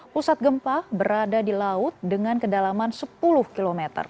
pusat gempa berada di laut dengan kedalaman sepuluh km